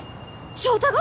翔太が！？